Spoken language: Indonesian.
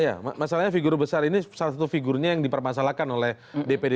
iya masalahnya figur besar ini salah satu figurnya yang dipermasalahkan oleh dpd